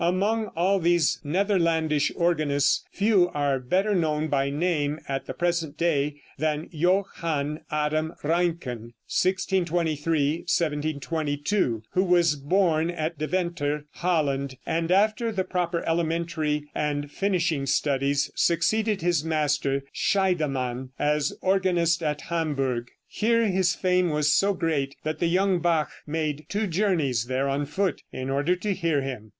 Among all these Netherlandish organists few are better known by name at the present day than Johann Adam Reinken (1623 1722), who was born at Deventer, Holland, and after the proper elementary and finishing studies, succeeded his master, Scheidemann, as organist at Hamburg. Here his fame was so great that the young Bach made two journeys there on foot, in order to hear him.